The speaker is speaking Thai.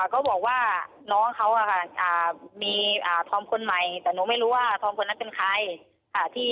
เขาบอกว่าน้องเขามีธอมคนใหม่แต่หนูไม่รู้ว่าธอมคนนั้นเป็นใคร